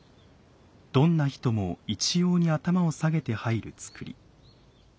どんな人も一様に頭を下げて入る造り。